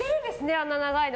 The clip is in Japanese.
あんな長いの。